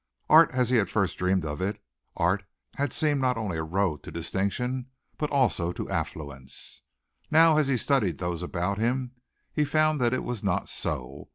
Art as he had first dreamed of it, art had seemed not only a road to distinction but also to affluence. Now, as he studied those about him, he found that it was not so.